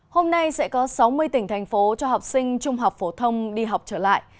hôm nay sẽ có sáu mươi tỉnh thành phố cho học sinh trung học phổ thông đi học trở lại